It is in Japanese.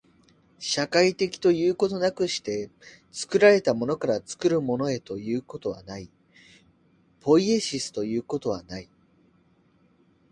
社会的ということなくして、作られたものから作るものへということはない、ポイエシスということはない。